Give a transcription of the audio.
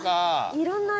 いろんな味？